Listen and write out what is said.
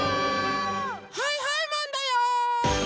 はいはいマンだよー！